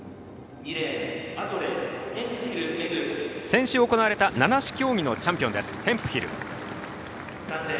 先週行われた７種競技のチャンピオンヘンプヒル。